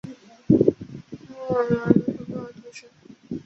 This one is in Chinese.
莫尔莱人口变化图示